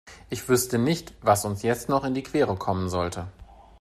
Ich wüsste nicht, was uns jetzt noch in die Quere kommen sollte.